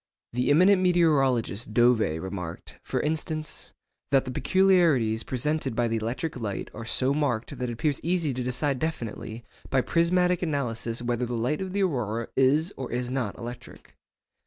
The eminent meteorologist Dové remarked, for instance, that 'the peculiarities presented by the electric light are so marked that it appears easy to decide definitely by prismatic analysis whether the light of the aurora is or is not electric.